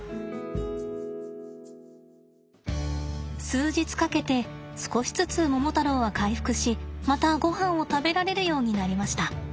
数日かけて少しずつモモタロウは回復しまたごはんを食べられるようになりました。